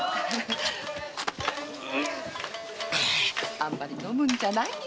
あんまり飲むんじゃないよ！